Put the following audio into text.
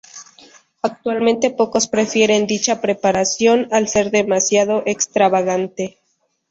Actualmente pocos prefieren dicha preparación, al ser demasiado extravagante.